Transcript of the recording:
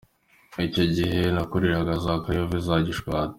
Icyo gihe nakoreraga za Kayove na za Gishwati.